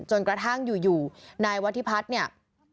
จนกระทั่งอยู่นายวัฒิพัฒน์เนี่ย